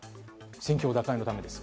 戦況打開のためです。